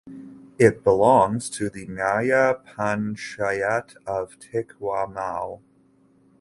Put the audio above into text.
It belongs to the nyaya panchayat of Tikwamau.